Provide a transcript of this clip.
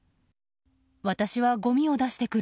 私はごみを出してくる。